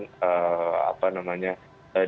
mereka menyebutkan kejateraan